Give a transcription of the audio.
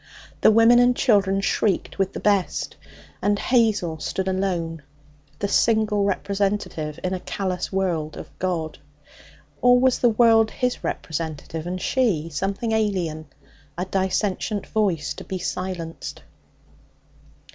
The women and children shrieked with the best, and Hazel stood alone the single representative, in a callous world, of God. Or was the world His representative, and she something alien, a dissentient voice to be silenced?